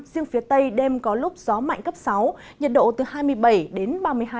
riêng phía tây đêm có lúc gió mạnh cấp sáu nhiệt độ từ hai mươi bảy đến ba mươi hai độ